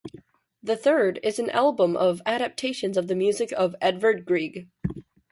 The third is an album of adaptions of the music of Edvard Grieg.